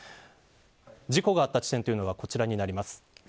事故があった地点はこちらになります。